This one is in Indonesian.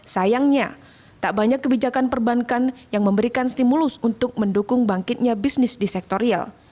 sayangnya tak banyak kebijakan perbankan yang memberikan stimulus untuk mendukung bangkitnya bisnis di sektor real